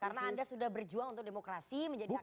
karena anda sudah berjuang untuk demokrasi menjadi anggota